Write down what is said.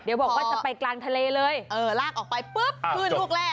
เดี๋ยวบอกว่าจะไปกลางทะเลเลยเออลากออกไปปุ๊บขึ้นลูกแรก